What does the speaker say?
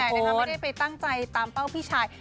ไม่ได้ไปตั้งใจตามเป้าพี่ชาย